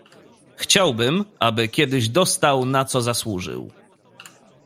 "Chciałbym, aby kiedyś dostał, na co zasłużył."